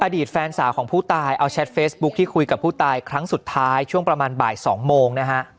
อดีตแฟนสาวของผู้ตายเอาแชทเฟซบุ๊คที่คุยกับผู้ตายครั้งสุดท้ายช่วงประมาณบ่าย๒โมงนะฮะ